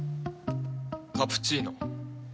カプチーノ。